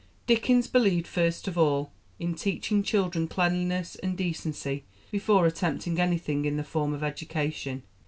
Dickens believed, first of all, in teaching children cleanliness and decency before attempting anything in the form of education.